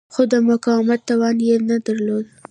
خو د مقاومت توان یې نه درلود.